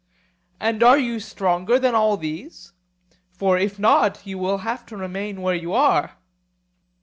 And are you stronger than all these? for if not, you will have to remain where you are.